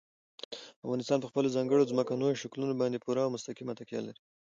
افغانستان په خپلو ځانګړو ځمکنیو شکلونو باندې پوره او مستقیمه تکیه لري.